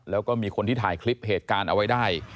แล้วก็มีคนที่ถ่ายคลิปเหตุการณ์เอาไว้ได้